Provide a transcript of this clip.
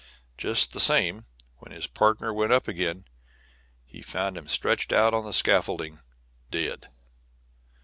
Just the same, when his partner went up again, he found him stretched out on the scaffolding, dead."